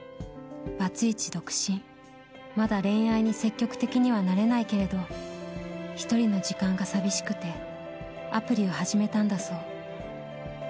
バツイチ独身、まだ恋愛に積極的にはなれないけれど１人の時間が寂しくてアプリを始めたんだそう。